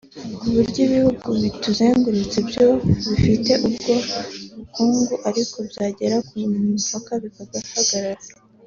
Ku buryo ibihugu bituzengurutse byose bibifite ubwo bukungu ariko byagera ku mupaka bigahagarara